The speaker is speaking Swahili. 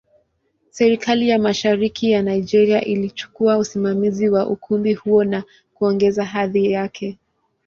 Serikali ya Mashariki ya Nigeria ilichukua usimamizi wa ukumbi huo na kuongeza hadhi yake.